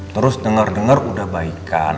terus denger denger udah baikan